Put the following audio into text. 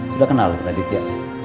sudah kenal dengan aditya